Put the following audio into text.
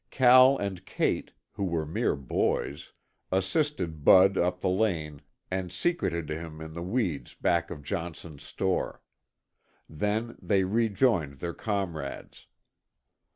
Cal and Cate, who were mere boys, assisted Bud up the lane and secreted him in the weeds back of Johnson's store. They then rejoined their comrades.